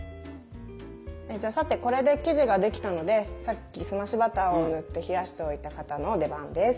さてこれで生地ができたのでさっき澄ましバターを塗って冷やしておいた型の出番です。